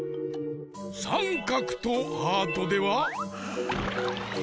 さんかくとハートでは？